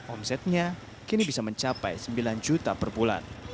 omsetnya kini bisa mencapai sembilan juta per bulan